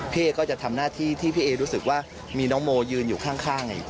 พี่เอก็จะทำหน้าที่พี่เอรู้สึกว่ามีน้องโมยืนอยู่ข้างอย่างนี้ค่ะ